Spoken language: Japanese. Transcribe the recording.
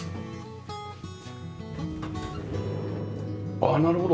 ああなるほど。